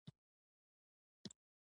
د جګړې مخنیوی او د سولې منځته راوړل.